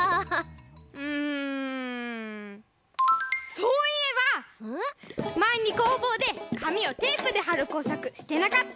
そういえばまえに工房でかみをテープではるこうさくしてなかった？